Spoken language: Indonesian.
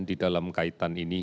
di dalam kaitan ini